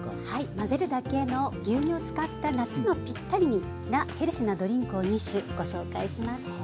混ぜるだけの牛乳を使った夏のぴったりなヘルシーなドリンクを２種ご紹介します。